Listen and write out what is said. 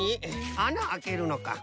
あなあけるのか。